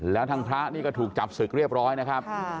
แล้วทางพระนี่ก็ถูกจับศึกเรียบร้อยนะครับ